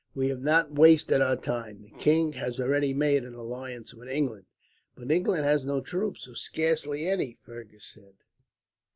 We have not wasted our time. The king has already made an alliance with England." "But England has no troops, or scarcely any," Fergus said.